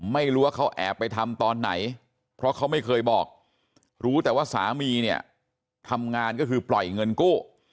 ไม่รู้ว่าเขาแอบไปทำตอนไหนเพราะเขาไม่เคยบอกรู้แต่ว่าสามีเนี่ยทำงานก็คือปล่อยเงินกู้